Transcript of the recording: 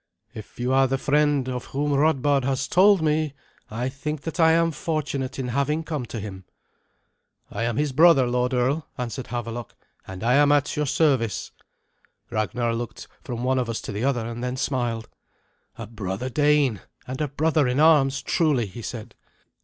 "If you are the friend of whom Radbard has told me, I think that I am fortunate in having come to him." "I am his brother, lord earl," answered Havelok, "and I am at your service." Ragnar looked from one of us to the other, and then smiled. "A brother Dane and a brother in arms, truly," he said.